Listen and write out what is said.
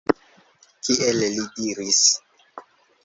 Kiel li diris